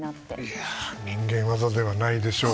人間技ではないでしょう。